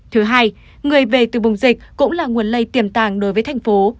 thứ hai người về từ vùng dịch cũng là nguồn lây tiềm tàng đối với thành phố